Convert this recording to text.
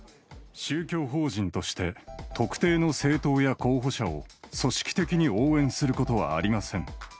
宗教法人として、特定の政党や候補者を組織的に応援することはありません。